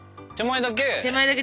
手前だけ。